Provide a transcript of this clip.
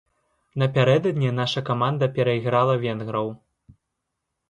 Напярэдадні наша каманда перайграла венграў.